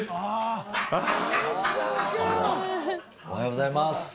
おはようございます。